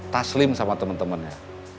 taslim sama temen temennya